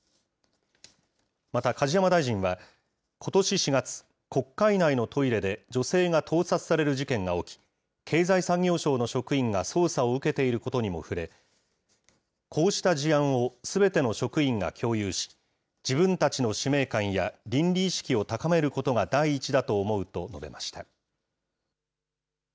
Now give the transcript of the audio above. また梶山大臣は、ことし４月、国会内のトイレで女性が盗撮される事件が起き、経済産業省の職員が捜査を受けていることにも触れ、こうした事案をすべての職員が共有し、自分たちの使命感や倫理意識を高めることが第一だと思うと述べました。